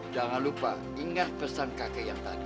jangan lupa ingat pesan kakek yang tadi